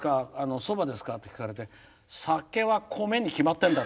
そばですか？って聞かれて酒は米に決まってんだろ！